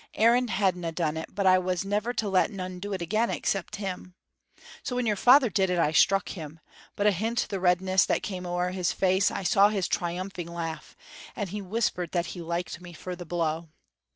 Aaron hadna done it, but I was never to let none do it again except him. So when your father did it I struck him, but ahint the redness that came ower his face, I saw his triumphing laugh, and he whispered that he liked me for the blow.